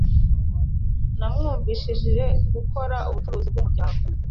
Namwumvishije gukora ubucuruzi bwumuryango.